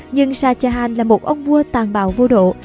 nhưng shah jahan là một ông vua tàn bạo vô độ